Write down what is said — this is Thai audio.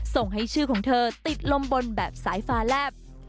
ส่งให้ชื่อของเธอติดลมบนแบบสายฟ้าแลบ